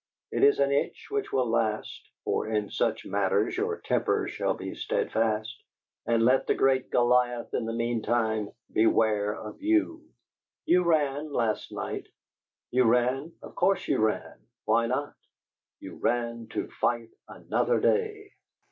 It is an itch which will last (for in such matters your temper shall be steadfast), and let the great Goliath in the mean time beware of you! You ran, last night. You ran of course you ran. Why not? You ran to fight another day!